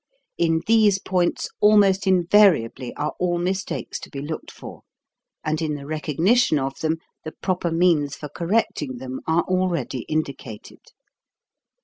In these points almost invariably are all mistakes to be looked for; and in the recognition of them the proper means for correcting them are already indicated.